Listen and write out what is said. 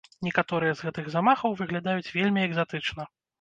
Некаторыя з гэтых замахаў выглядаюць вельмі экзатычна.